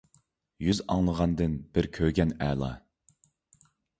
يۈز ئاڭلىغاندىن بىر كۆرگەن ئەلا.